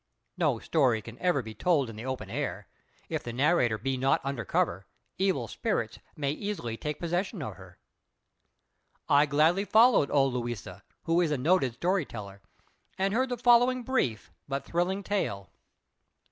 (No story can ever be told in the open air; if the narrator be not under cover, evil spirits may easily take possession of her.) I gladly followed old Louisa, who is a noted story teller, and heard the following brief but thrilling tale.